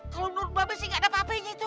kalau menurut mbak be sih gak dapat apa apanya itu